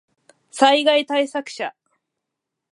災害対策車